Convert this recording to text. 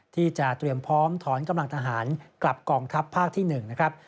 ที่จะเตรียมพร้อมถอนกำลังทหารกลับกองทัพภาคที่๑นะครับ